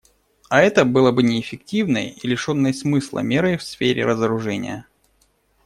А это было бы неэффективной и лишенной смысла мерой в сфере разоружения.